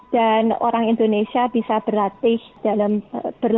dan orang indonesia bisa berlatih dalam bahasa